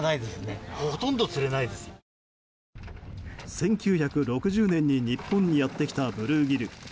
１９６０年に日本にやってきたブルーギル。